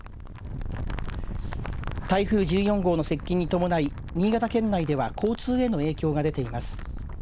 台風１４号の接近に伴い新潟県内では交通への影響が出ています。